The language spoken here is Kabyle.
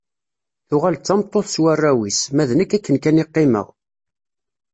Tuɣal d tameṭṭut s warraw-is, ma d nekk akken kan i qqimeɣ.